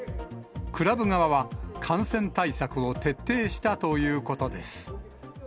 クラブ側は、感染対策を徹底したということです。